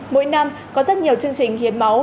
mỗi năm có rất nhiều chương trình hiếm máu